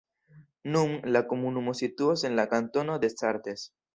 Nun, la komunumo situas en la kantono Descartes.